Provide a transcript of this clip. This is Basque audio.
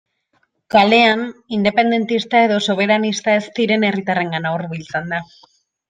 Kalean independentista edo soberanista ez diren herritarrengana hurbiltzen da.